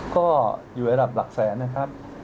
ก็อยู่ระดับหลักแสนนะครับ